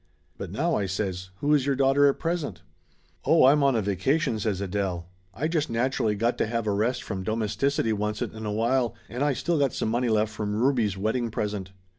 "But now," I says, "who is your daughter at present ?" "Oh, I'm on a vacation," says Adele. "I just natu rally got to have a rest from domesticity oncet in a while, and I still got some money left from Ruby's wedding present."